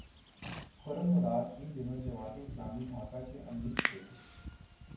خرم مراد ان دنوں جماعت اسلامی ڈھاکہ کے امیر تھے۔